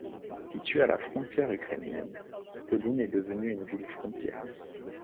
Située à de la frontière ukrainienne, Stoline est devenue une ville-frontière.